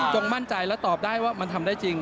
มั่นใจและตอบได้ว่ามันทำได้จริง